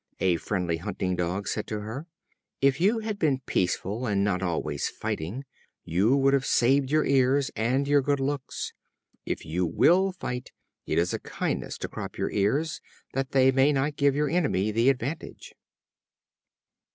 A friendly hunting dog said to her: "If you had been peaceful, and not always fighting, you would have saved your ears and your good looks. If you will fight, it is a kindness to crop your ears, that they may not give your enemy the advantage."